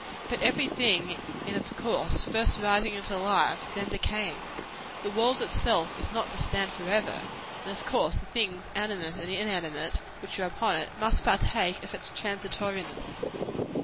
But every thing in its course; first rising into life, then decaying. The world itself is not to stand forever; and of course the things animate and inanimate which are upon it, must partake of its transitoriness."